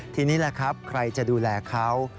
ทีนี้แหละครับใครจะดูแลเขา